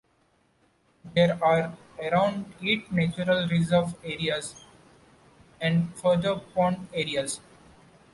There are around eight natural reserve areas, and further pond areas.